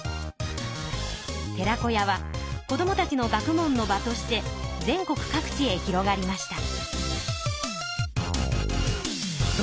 寺子屋は子どもたちの学問の場として全国各地へ広がりました。